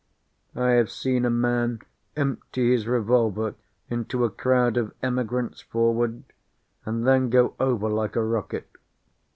I have seen a man empty his revolver into a crowd of emigrants forward, and then go over like a rocket.